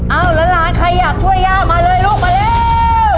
หลานใครอยากช่วยย่ามาเลยลูกมาเร็ว